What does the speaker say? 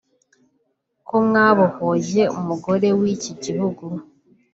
ko mwabohoye umugore w’iki gihugu